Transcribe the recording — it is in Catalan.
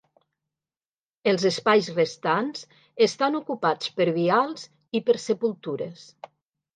Els espais restants estan ocupats per vials i per sepultures.